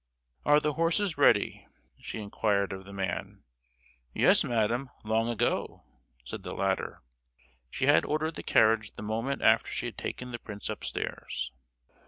"Are the horses ready?" she inquired of the man. "Yes, madam, long ago!" said the latter. She had ordered the carriage the moment after she had taken the prince upstairs.